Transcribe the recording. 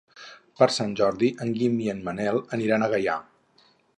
Per Sant Jordi en Guim i en Manel aniran a Gaià.